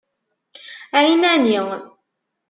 ɛinani.